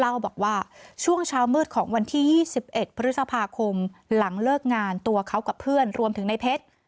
เล่าบอกว่าช่วงเช้ามืดของวันที่๒๑พฤษภาคมหลังเลิกงานตัวเขากับเพื่อนรวมถึงในเพชร